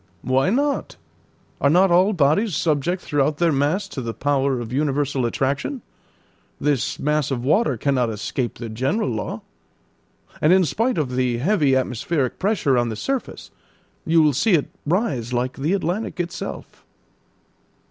"Why not? Are not all bodies subject throughout their mass to the power of universal attraction? This mass of water cannot escape the general law. And in spite of the heavy atmospheric pressure on the surface, you will see it rise like the Atlantic itself."